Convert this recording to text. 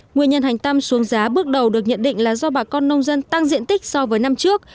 nguyên nhân hành tăm xuống giá bước đầu được nhận định là do bà con nông dân tăng diện tích so với năm trước